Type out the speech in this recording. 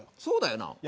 そうだよな。